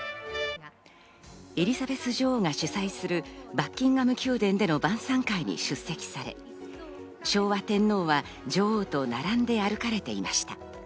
エリザベス女王が主催するバッキンガム宮殿での晩餐会に出席され、昭和天皇は女王と並んで歩かれていました。